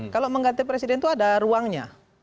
kalau mengganti presiden itu ada ruangnya